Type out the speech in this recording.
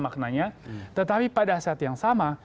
maknanya tetapi pada saat yang sama